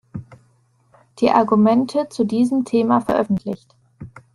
Die Argumente" zu diesem Thema veröffentlicht.